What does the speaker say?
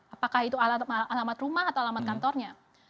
apakah itu alamat rumah atau alamat kantornya